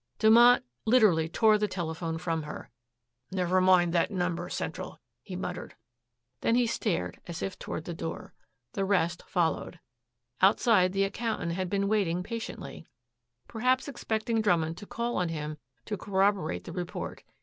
Dumont literally tore the telephone from her. "Never mind about that number, central," he muttered. Then he started as if toward the door. The rest followed. Outside the accountant had been waiting patiently, perhaps expecting Drummond to call on him to corroborate the report.